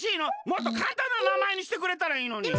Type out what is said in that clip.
もっとかんたんななまえにしてくれたらいいのに。